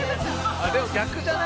「でも逆じゃない？